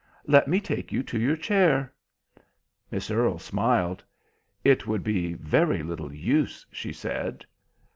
"Let me take you to your chair." Miss Earle smiled. "It would be very little use," she said.